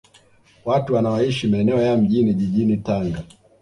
Watu wanaoishi maeneo ya Mjini jijini Tanga